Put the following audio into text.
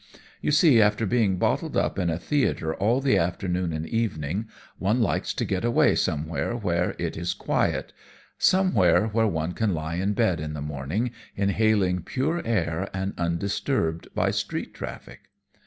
You see, after being bottled up in a theatre all the afternoon and evening, one likes to get away somewhere where it is quiet somewhere where one can lie in bed in the morning inhaling pure air and undisturbed by street traffic."